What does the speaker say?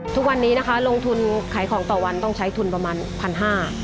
ทุกวันนี้นะคะลงทุนขายของต่อวันต้องใช้ทุนประมาณพันห้า